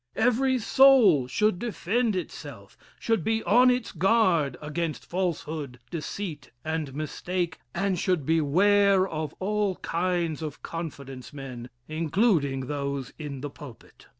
Every soul should defend itself should be on its guard against falsehood, deceit, and mistake, and should beware of all kinds of confidence men, including those in the pulpit.